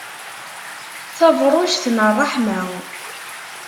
Tabṛujt n ṛṛeḥma.